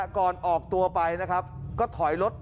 ก่อนออกตัวไปนะครับก็ถอยรถ